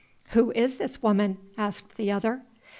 "Who is this woman?" asked the other.